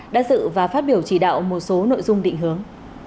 đã dự và phát biểu chỉ đạo một số nội dung định hướng